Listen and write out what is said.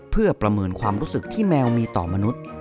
เพื่อประเมินความรู้สึกที่แมวมีต่อมนุษย์